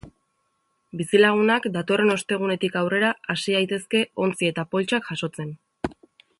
Bizilagunak datorren ostegunetik aurrera hasi daitezke ontzi eta poltsak jasotzen.